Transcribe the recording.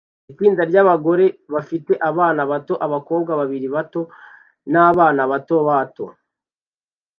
itsinda ryabagore bafite abana bato abakobwa babiri bato nabana bato bato